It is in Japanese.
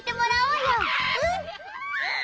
うん！